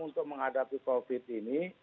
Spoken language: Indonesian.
untuk menghadapi covid ini